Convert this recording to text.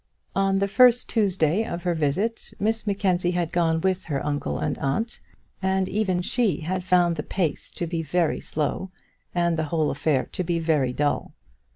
On the first Tuesday of her visit Miss Mackenzie had gone with her uncle and aunt, and even she had found the pace to be very slow, and the whole affair to be very dull.